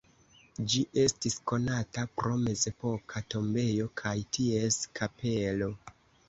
Ĝi estis konata pro mezepoka tombejo kaj ties kapelo.